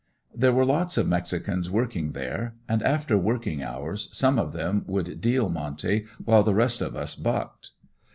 There were lots of mexicans working there and after working hours some of them would "deal" monte while the rest of us "bucked."